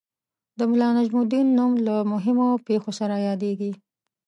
د ملا نجم الدین نوم له مهمو پېښو سره یادیږي.